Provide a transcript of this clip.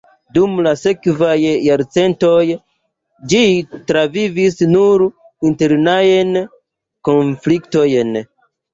Dum la sekvaj jarcentoj ĝi travivis nur internajn konfliktojn.